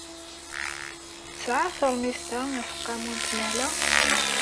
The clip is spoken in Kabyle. Tesɛa teṛmist-a aseqqamu n tmehla?